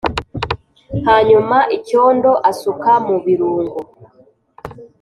hanyuma icyondo asuka mu birungo,